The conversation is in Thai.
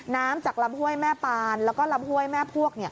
น้ำจากลำห้วยแม่ปานแล้วก็ลำห้วยแม่พวก